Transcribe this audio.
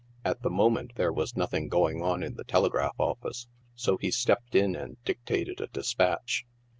At the moment there was nothing going on in the telegraph office, so he stepped in and dictated a de spatch.